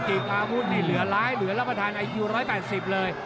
อาวุธนี่เหลือร้ายเหลือรับประทานอายุ๑๘๐เลย